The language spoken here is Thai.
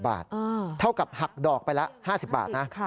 บาทเท่ากับหักดอกไปละ๕๐บาทนะ